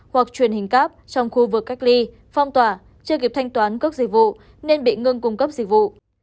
hoặc truyền hình cáp trong khu vực cách ly phong tỏa chưa kịp thanh toán các dịch vụ nên bị ngưng cung cấp dịch vụ